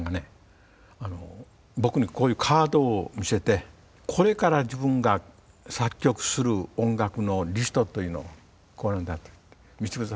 僕にこういうカードを見せてこれから自分が作曲する音楽のリストというのをこうなんだっていって見せてくださったんですよ。